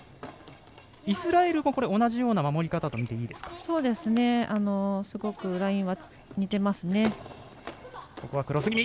イスラエルも同じような守り方と見てすごくラインは似ています。